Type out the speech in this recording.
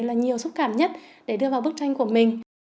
là nhiều xúc cảm nhất để đưa vào bức tranh của mình